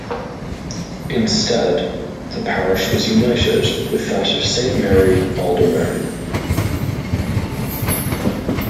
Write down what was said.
Instead the parish was united with that of Saint Mary Aldermary.